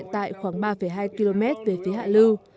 cầu bắc luân hiện tại khoảng ba hai km về phía hạ lưu